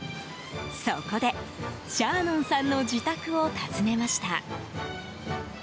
そこで、シャーノンさんの自宅を訪ねました。